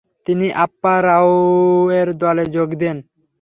তিনি আপ্পা রাওয়ের দলে যোগ দেন।